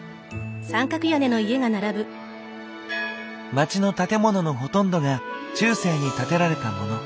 街の建物のほとんどが中世に建てられたモノ。